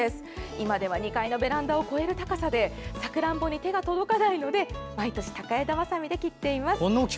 今では２階のベランダを越える高さでさくらんぼに手が届かないので毎年高枝ばさみで切っています。